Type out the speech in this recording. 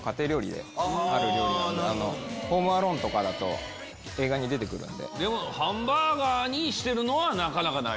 『ホーム・アローン』とかだと映画に出てくるんで。